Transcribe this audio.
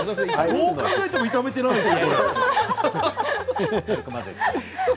どう考えても炒めてないでしょう。